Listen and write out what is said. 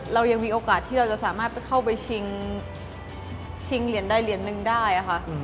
เรายังมีโอกาสที่เราจะสามารถเข้าไปชิงเหรียญใดเหรียญหนึ่งได้ค่ะ